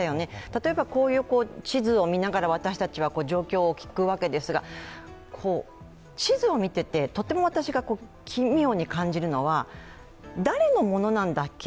例えば、こういう地図を見ながら、私たちは状況を聞くわけですが、地図を見ていてとても私が奇妙に感じるのは、誰のものなんだっけ？